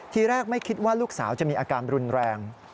ทีแรกไม่คิดว่าลูกสาวจะมีอาการรุนแรง